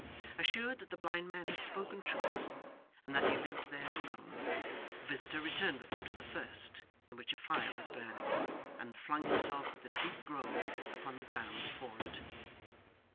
Assured that the blind man had spoken truth, and that he lived there alone, the visitor returned with him to the first, in which a fire was burning, and flung himself with a deep groan upon the ground before it.